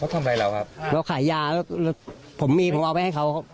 เขาทำอะไรแล้วครับเขาขายยาแล้วผมมีผมเอาไปให้เขา